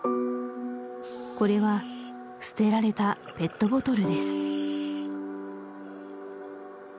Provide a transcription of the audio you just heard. これは捨てられたペットボトルです